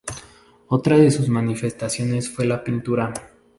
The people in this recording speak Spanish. Otra de sus manifestaciones fue la pintura.